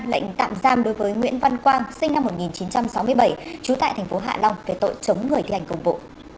lệnh tạm giam đối với nguyễn văn quang sinh năm một nghìn chín trăm sáu mươi bảy trú tại thành phố hạ long về tội chống người thi hành công vụ